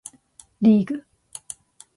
リーグ